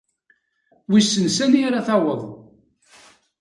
Wissen sani ara taweḍ!